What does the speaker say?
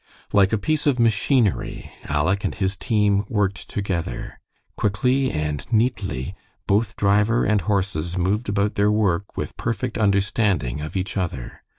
Like a piece of machinery, Aleck and his team worked together. Quickly and neatly both driver and horses moved about their work with perfect understanding of each other.